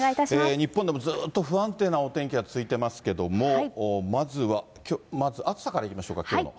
日本でもずっと不安定なお天気が続いてますけれども、まずは暑さからいきましょうか、きょうの。